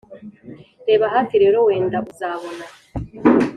reba hafi rero wenda uzabona